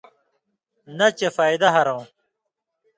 نہ چے فَیدہ ہرؤں۔